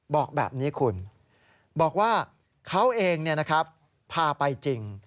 บอกแบบนี้คุณบอกว่าเขาเองพาไปจริง